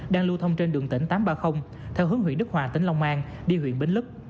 đang lưu thông trên đường tỉnh tám trăm ba mươi theo hướng huyện đức hòa tỉnh long an đi huyện bến lức